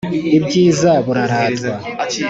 ibyiza buraratwa.